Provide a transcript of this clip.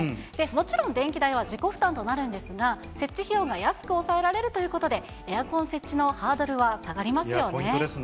もちろん電気代は自己負担となるんですが、設置費用が安く抑えられるということで、エアコン設置のハードルポイントですね。